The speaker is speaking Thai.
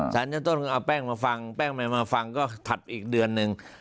ศาลชั้นต้นเอาแป้งมาฟังแป้งมาฟังก็ถัดอีกเดือนนึง